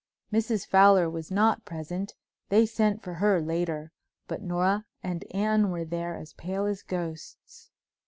Mrs. Fowler was not present—they sent for her later—but Nora and Anne were there as pale as ghosts.